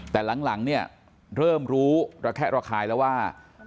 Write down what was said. แต่หลังเนี่ยเริ่มรู้ระแคะระคายแล้วว่า